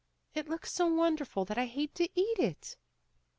"It looks so wonderful that I hate to eat it."